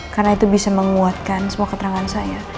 karena itu bisa menguatkan semua keterangan saya